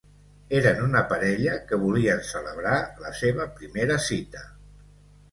Eren una parella que volien celebrar la seva primera cita.